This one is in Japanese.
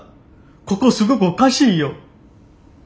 ここすごくおかしいよ。